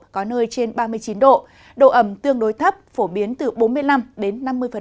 có nơi trên ba mươi chín độ độ ẩm tương đối thấp phổ biến từ bốn mươi năm đến năm mươi